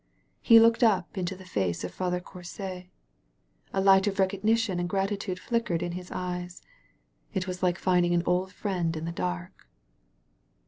He looked up into the face of Father Courcy. A light of recognition and gratitude flickered in his eyes. It was like finding an old friend in the dark.